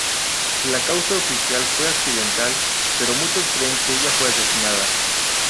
La causa oficial fue accidental, pero muchos creen que ella fue asesinada.